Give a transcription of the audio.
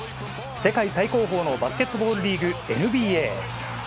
世界最高峰のバスケットボールリーグＮＢＡ。